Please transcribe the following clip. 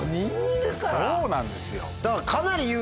そうなんですよ。